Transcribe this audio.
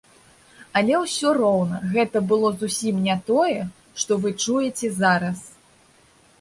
Але ўсё роўна гэта было зусім не тое, што вы чуеце зараз.